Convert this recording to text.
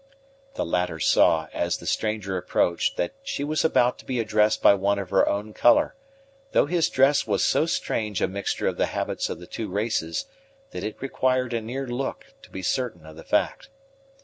The latter saw, as the stranger approached that she was about to be addressed by one of her own color, though his dress was so strange a mixture of the habits of the two races, that it required a near look to be certain of the fact.